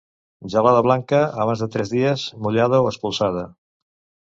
Gelada blanca, abans de tres dies mullada o espolsada.